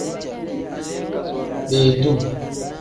Beeduu.